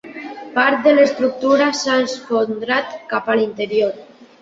Part de l'estructura s'ha esfondrat cap a l'interior.